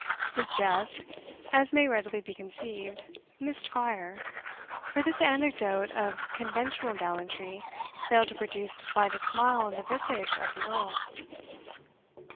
His jest (as may readily be conceived) missed fire, for this anecdote of conventual gallantry failed to produce the slightest smile on the visage of the Earl.